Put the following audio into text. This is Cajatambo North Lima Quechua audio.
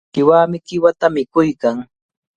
Chiwami qiwata mikuykan.